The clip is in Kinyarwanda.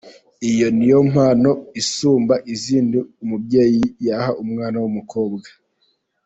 Iyo ni yo mpano isumba izindi umubyeyi yaha umwana w’umukobwa.